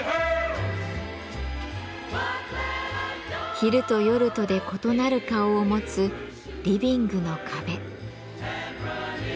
昼と夜とで異なる顔を持つリビングの壁。